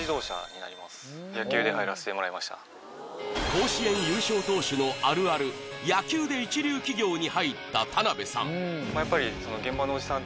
甲子園優勝投手のあるある野球で一流企業に入った田辺さん田辺さん